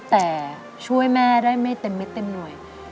แต่ช่วยแม่ได้ไม่เต็มเม็ดเต็มหน่วย